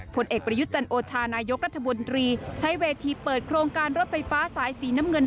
ผลเอกประยุทธ์จันโอชานายกรัฐมนตรีใช้เวทีเปิดโครงการรถไฟฟ้าสายสีน้ำเงิน